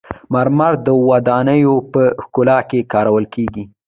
مرمر د ودانیو په ښکلا کې کارول کیږي.